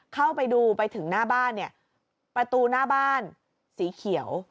เข้าไปดูไปถึงหน้าบ้านเนี่ยประตูหน้าบ้านสีเขียว